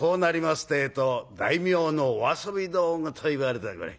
ってえと大名のお遊び道具といわれたぐらい。